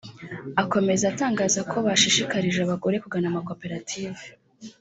Akomeza atangaza ko bashishikarije abagore kugana amakoperative